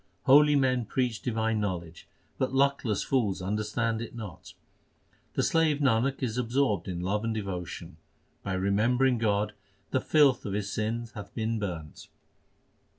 Holy men preach divine knowledge, but luckless fools understand it not. The slave Nanak is absorbed in love and devotion ; by remembering God the filth of his sins hath been burnt.